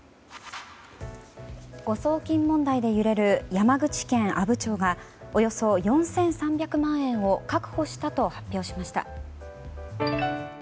誤送金問題で揺れる山口県阿武町がおよそ４３００万円を確保したと発表しました。